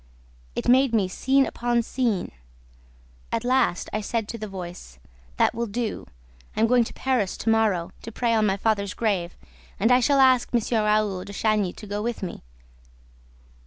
It made me scene upon scene. At last, I said to the voice, 'That will do! I am going to Perros to morrow, to pray on my father's grave, and I shall ask M. Raoul de Chagny to go with me.'